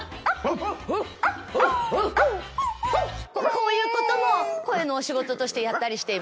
こういうことも声のお仕事としてやったりしています。